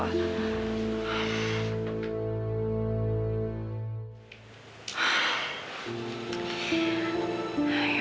ya tuhan ya tuhan